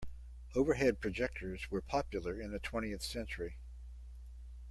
Overhead projectors were popular in the twentieth century.